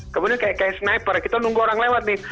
kemudian kayak sniper kita nunggu orang lewat nih